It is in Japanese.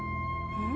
うん！？